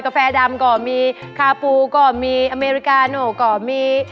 แฟดำก็มีคาปูก็มีอเมริกาโน่ก็มี